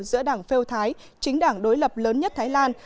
giữa đảng pheo thái chính đảng đối lập lớn nhất thái lan